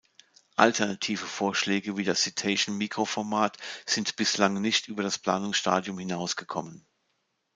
Alternative Vorschläge wie das "Citation"-Mikroformat sind bislang nicht über das Planungsstadium hinausgekommen.